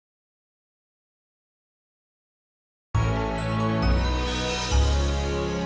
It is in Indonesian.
nino sudah pernah berubah